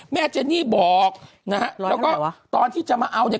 เจนี่บอกนะฮะแล้วก็ตอนที่จะมาเอาเนี่ย